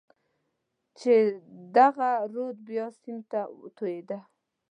چې دغه رود بیا سیند ته توېېده.